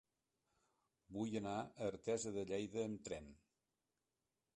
Vull anar a Artesa de Lleida amb tren.